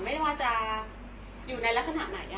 ไม่ว่าจะอยู่ในลักษณะไหน